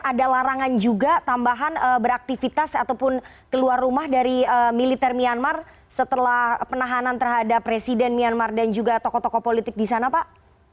ada larangan juga tambahan beraktivitas ataupun keluar rumah dari militer myanmar setelah penahanan terhadap presiden myanmar dan juga tokoh tokoh politik di sana pak